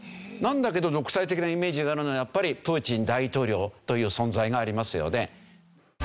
なんだけど独裁的なイメージがあるのはやっぱりプーチン大統領という存在がありますよね。